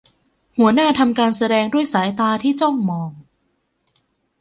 หัวหน้าทำการแสดงด้วยสายตาที่จ้องมอง